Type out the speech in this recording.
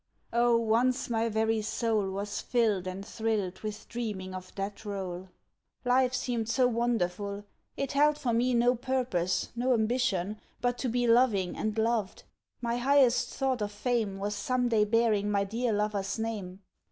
Oh, once my very soul Was filled and thrilled with dreaming of that role. Life seemed so wonderful; it held for me No purpose, no ambition, but to be Loving and loved. My highest thought of fame Was some day bearing my dear lover's name.